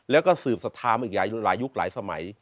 แล้วก็สืบศรัทธามึงอีกอย่างหลายยุคหลายสมัย